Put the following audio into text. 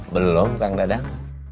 belum kawan dadang